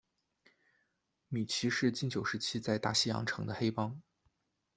米奇是禁酒时期在大西洋城的黑帮。